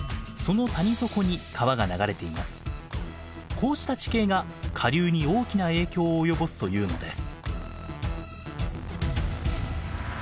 こうした地形が下流に大きな影響を及ぼすというのです。